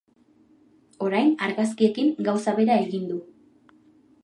Orain, argazkiekin gauza bera egin du.